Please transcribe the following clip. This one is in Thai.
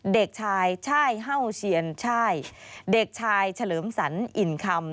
เด็กชายช่ายเฮ่าเชียนช่ายเด็กชายเฉลิมสันอิ่มคำ